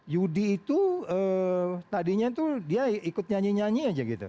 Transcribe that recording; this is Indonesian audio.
yudi itu tadinya tuh dia ikut nyanyi nyanyi aja gitu